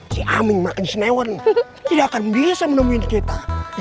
si aming makin sinewan tidak akan bisa menemuin kita